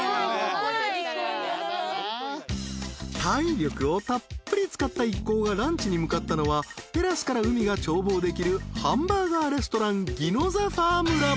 ［体力をたっぷり使った一行がランチに向かったのはテラスから海が眺望できるハンバーガーレストランＧＩＮＯＺＡＦＡＲＭＬＡＢ］